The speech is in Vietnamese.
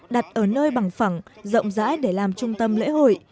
đặt ở nơi bằng phẳng rộng rãi để làm trung tâm lễ hội